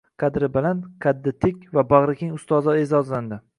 Qadri baland, qaddi tik va bag‘rikeng ustozlar e’zozlandi